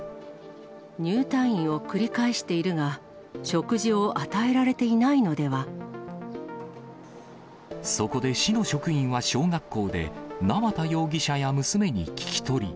入退院を繰り返しているが、そこで市の職員は小学校で、縄田容疑者や娘に聞き取り。